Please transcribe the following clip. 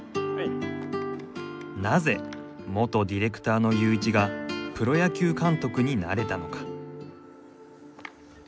なぜ元ディレクターのユーイチがプロ野球監督になれたのか。